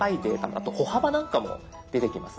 あと歩幅なんかも出てきます。